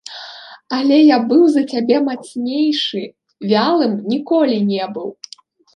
Але я быў за цябе мацнейшы, вялым ніколі не быў.